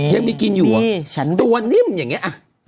ยังมีกินอยู่ตัวนิ่มอย่างนี้